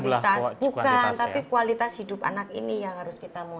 kualitas bukan tapi kualitas hidup anak ini yang harus kita